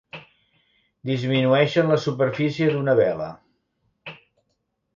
Disminueixen la superfície d'una vela.